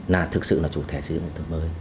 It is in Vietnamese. là thực sự là chủ thể xây dựng nông thôn mới